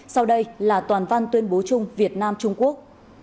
sau đây là toàn văn tuyên bố chung việt nam trung quốc